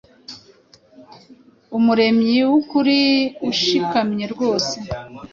Umuremyi wukuri-ushikamye rwose